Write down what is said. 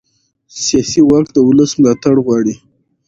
سیاسي واک د ولس ملاتړ غواړي